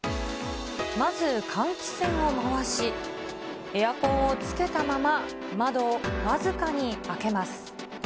まず換気扇を回し、エアコンをつけたまま、窓を僅かに開けます。